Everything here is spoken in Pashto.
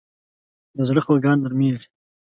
د زړه خفګان نرمېږي